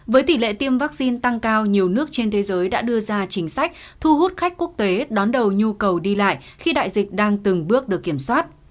với tỷ lệ tiêm vaccine tăng cao nhiều nước trên thế giới đã đưa ra chính sách thu hút khách quốc tế đón đầu nhu cầu đi lại khi đại dịch đang từng bước được kiểm soát